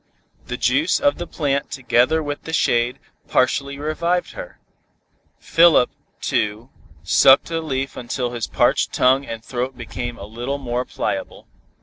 The juice of the plant together with the shade, partially revived her. Philip, too, sucked the leaf until his parched tongue and throat became a little more pliable.